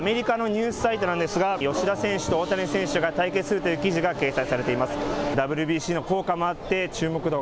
こちらアメリカのニュースサイトなんですが、吉田選手と大谷選手が対決するという記事が掲載されています。